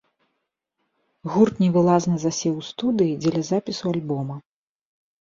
Гурт невылазна засеў у студыі дзеля запісу альбома.